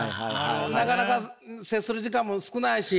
なかなか接する時間も少ないし。